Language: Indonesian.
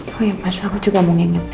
oh ya pas aku juga mau inget